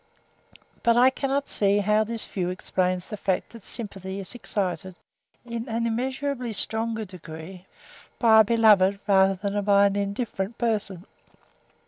But I cannot see how this view explains the fact that sympathy is excited, in an immeasurably stronger degree, by a beloved, than by an indifferent person.